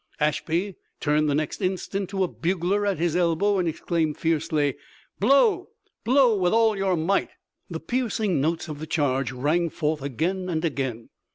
Ashby turned the next instant to a bugler at his elbow and exclaimed fiercely: "Blow! Blow with all your might!" The piercing notes of the charge rang forth again and again.